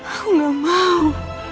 aku gak mau